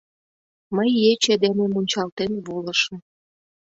Мый ече дене мунчалтен волышым.